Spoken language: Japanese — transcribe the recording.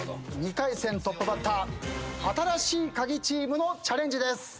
２回戦トップバッター新しいカギチームのチャレンジです。